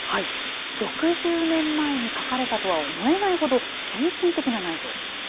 ６０年前に書かれたとは思えないほど、先進的な内容。